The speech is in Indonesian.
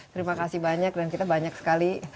terima kasih banyak dan kita banyak sekali